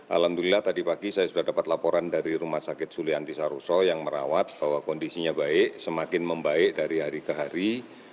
alhamdulillah tadi pagi saya sudah dapat laporan dari rumah sakit sulianti saroso yang merawat bahwa kondisinya baik semakin membaik dari hari ke hari